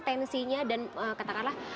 tensinya dan katakanlah